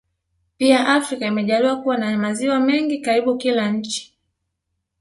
Pia Afrika imejaliwa kuwa na maziwa mengi karibu kila nchi